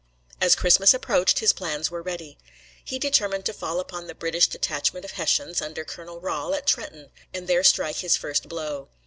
As Christmas approached his plans were ready. He determined to fall upon the British detachment of Hessians, under Colonel Rahl, at Trenton, and there strike his first blow.